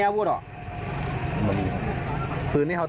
ท่านดูเหตุการณ์ก่อนนะครับ